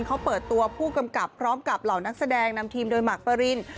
เขาเปิดตัวผู้กำกับพร้อมกับเหล่านักแสดงนำทีมโดยหมากปริน